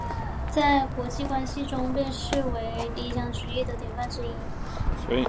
在国际关系中被视为理想主义的典范之一。